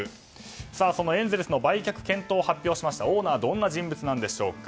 そのエンゼルスの売却検討を発表しましたオーナーはどんな人物なんでしょうか。